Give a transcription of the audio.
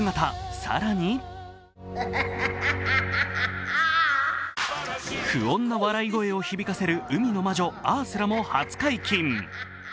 更に不穏な笑い声を響かせる海の魔女・アースラも初解禁。